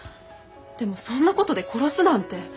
でもそんなことで殺すなんて。